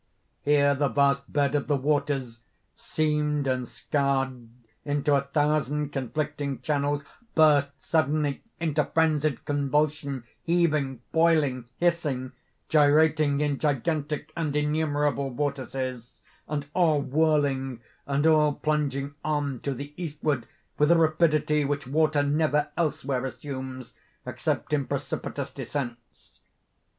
Here the vast bed of the waters, seamed and scarred into a thousand conflicting channels, burst suddenly into phrensied convulsion—heaving, boiling, hissing—gyrating in gigantic and innumerable vortices, and all whirling and plunging on to the eastward with a rapidity which water never elsewhere assumes except in precipitous descents.